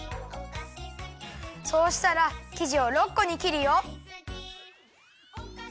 そうしたらきじを６こにきるよ。